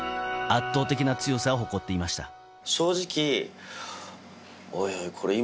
圧倒的な強さを誇っていました。